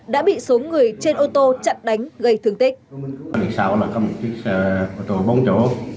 đã bị số người trên ô tô chặn đánh gây thương tích